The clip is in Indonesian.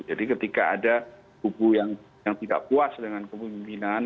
jadi ketika ada buku yang tidak puas dengan kepemimpinan